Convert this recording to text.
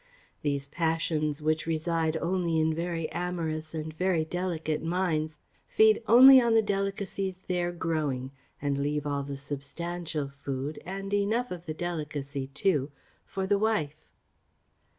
These passions, which reside only in very amorous and very delicate minds, feed only on the delicacies there growing; and leave all the substantial food, and enough of the delicacy too, for the wife."